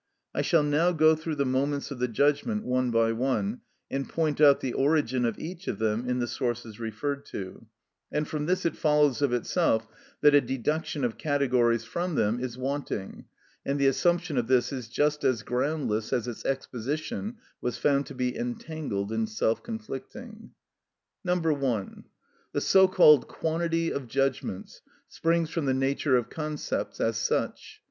I shall now go through the moments of the judgment one by one, and point out the origin of each of them in the sources referred to; and from this it follows of itself that a deduction of categories from them is wanting, and the assumption of this is just as groundless as its exposition was found to be entangled and self conflicting. 1. The so called Quantity of judgments springs from the nature of concepts as such.